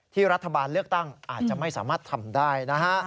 รัฐบาลเลือกตั้งอาจจะไม่สามารถทำได้นะฮะ